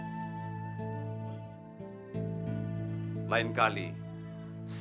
saya akan mencuri barang bukti ini